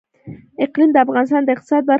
اقلیم د افغانستان د اقتصاد برخه ده.